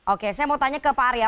oke saya mau tanya ke pak arya